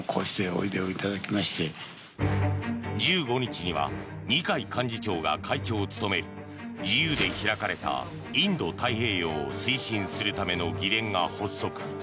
１５日には二階幹事長が会長を務める自由で開かれたインド太平洋を推進するための議連が発足。